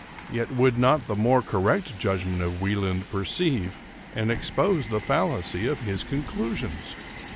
Yet would not the more cor rect judgment of Wieland perceive and expose the fallacy of his conclusions?